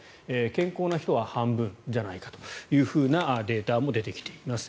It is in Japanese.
健康な人は半分じゃないかというデータも出てきています。